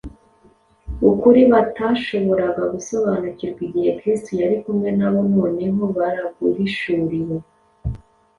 Ukuri batashoboraga gusobanukirwa igihe Kristo yari kumwe na bo noneho baraguhishuriwe.